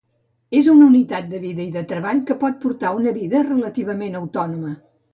És una unitat de vida i de treball que pot portar una vida relativament autònoma.